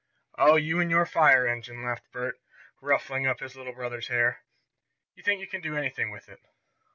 "Oh, you and your fire engine!" laughed Bert, ruffling up his little brother's hair. "You think you can do anything with it."